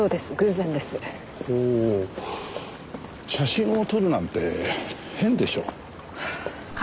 ほう写真を撮るなんて変でしょう？